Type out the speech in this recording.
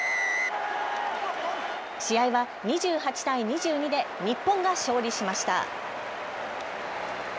試合は２８対２２で日本が勝利しました。